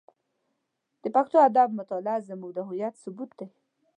د پښتو ادب مطالعه زموږ د هویت ثبوت دی.